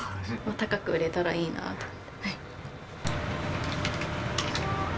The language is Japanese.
高く売れたらいいなと思って。